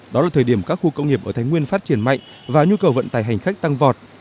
đó là thời điểm các khu công nghiệp ở thái nguyên phát triển mạnh và nhu cầu vận tải hành khách tăng vọt